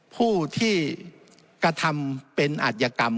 ผู้ที่กระทำเป็นอัธยกรรม